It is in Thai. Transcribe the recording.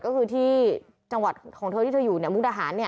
ก็คือที่จังหวัดของเธอที่เธออยู่เนี่ยมุติอาหารเนี่ย